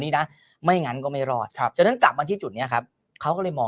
นี้นะไม่งั้นก็ไม่รอดครับฉะนั้นกลับมาที่จุดนี้ครับเขาก็เลยมอง